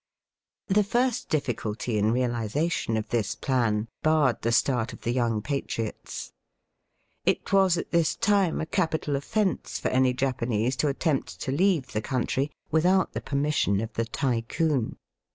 The first difficulty in realization of this plan barred the start of the young patriots. It was at this time a capital offence for any Japanese to attempt to leave the country without the permission of the Tycoon.